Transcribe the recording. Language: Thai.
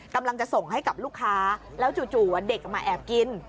กำลังจะส่งให้กับลูกค้าแล้วจู่เด็กมาแอบกิน